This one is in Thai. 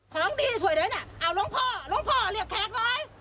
ของดีช่วยเลยนะอ้าวลงพ่อลงพ่อเรียกแขกเลย